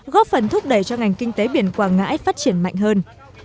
góp phần thúc đẩy cho ngành kinh tế biển quảng ngãi phát triển mạnh hơn